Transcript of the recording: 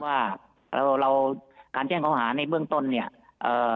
ว่าเราเราการแจ้งเขาหาในเบื้องต้นเนี่ยเอ่อ